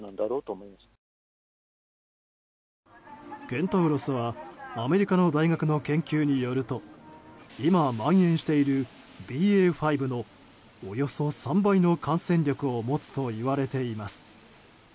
ケンタウロスはアメリカの大学の研究によると今、蔓延しているＢＡ．５のおよそ３倍の感染力を持つといわれています。